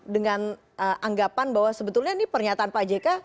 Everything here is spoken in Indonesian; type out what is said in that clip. dengan anggapan bahwa sebetulnya ini pernyataan pak jk